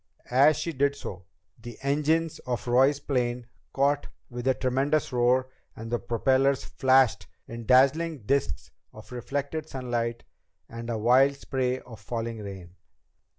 As she did so, the engines of Roy's plane caught with a tremendous roar and the propellers flashed in dazzling disks of reflected sunlight and a wild spray of falling rain.